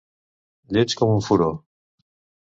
Lleig com un furó.